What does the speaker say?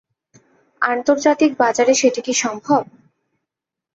আন্তর্জাতিক বাজারে সেটি কি সম্ভব?